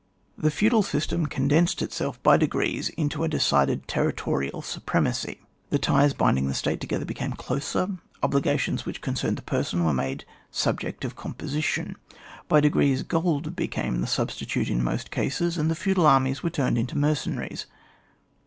The feudal system condensed itself by degrees into a decided territorial supre macy ; the ties binding the State together became closer; obligations which con cerned the person were made subject of composition; by deg^rees gold became the substitute in most cases, and the feudal armies were turned into mer cenaries.